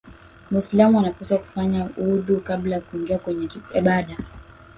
muislamu anapaswa kufanya wudhu kabla ya kuingia kwenye ibada